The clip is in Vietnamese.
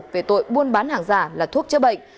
về tội buôn bán hàng giả là thuốc chữa bệnh